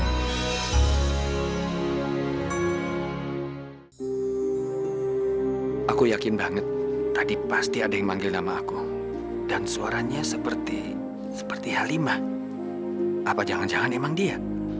sampai jumpa di video selanjutnya